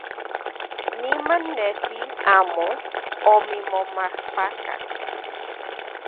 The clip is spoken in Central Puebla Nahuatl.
Niman nesi amo omimomajpakak.